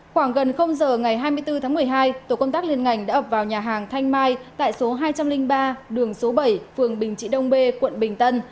khoảng gần giờ ngày hai mươi bốn tháng một mươi hai tổ công tác liên ngành đã ập vào nhà hàng thanh mai tại số hai trăm linh ba đường số bảy phường bình trị đông bê quận bình tân